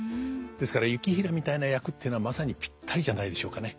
ですから行平みたいな役っていうのはまさにぴったりじゃないでしょうかね。